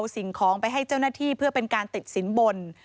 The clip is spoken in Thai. สิ่งของไปให้เจ้าหน้าที่เพื่อเป็นการติดสินบน